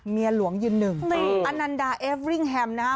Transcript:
เมียหลวงยืนหนึ่งอนันดาเอฟริ่งแฮมนะฮะ